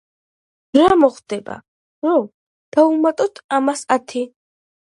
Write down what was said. რა მოხდება რომ დავამატოთ ამას ათი?